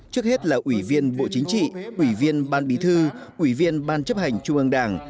trước hết là ủy viên bộ chính trị ủy viên ban bí thư ủy viên ban chấp hành trung ương đảng